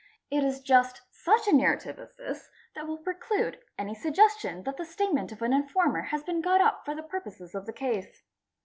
It is just such a narrative as this that will preclude any suggestion that the statement of an informer has been got up for the purposes of the case.